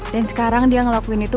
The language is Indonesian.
dan sekarang dia ngelakuin itu